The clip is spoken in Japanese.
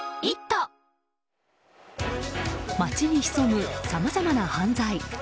街に潜む、さまざまな犯罪。